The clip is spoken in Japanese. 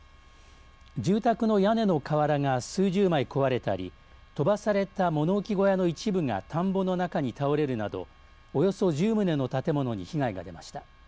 住宅の屋根の瓦が数十枚壊れたり飛ばされた物置小屋の一部が田んぼの中に倒れるなどおよそ１０棟の建物に被害が出ました。